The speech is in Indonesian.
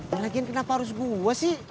ya lagiin kenapa harus gua sih